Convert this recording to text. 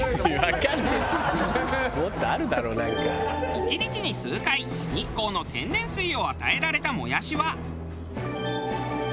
１日に数回日光の天然水を与えられたもやしは。